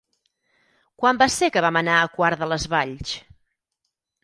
Quan va ser que vam anar a Quart de les Valls?